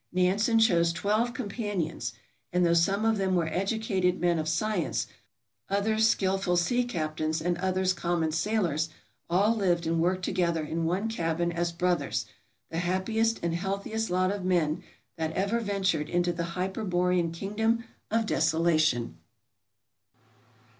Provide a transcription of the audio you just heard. Nansen chose twelve companions, and though some of them were educated men of science, others skilful sea captains, and others common sailors, all lived and worked together in one cabin as brothers — the happiest and healthiest lot of men that ever ventured into the hyperborean kingdom of desolation.